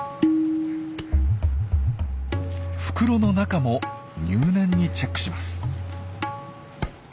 袋の中も入念にチェックします。